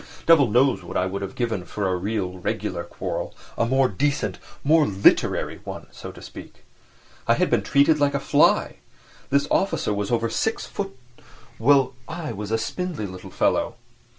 Devil knows what I would have given for a real regular quarrel—a more decent, a more literary one, so to speak. I had been treated like a fly. This officer was over six foot, while I was a spindly little fellow.